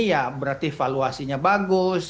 ya berarti valuasinya bagus